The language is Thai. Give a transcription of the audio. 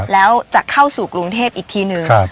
แล้วจะเข้าสู่กรุงเทพอีกทีนึง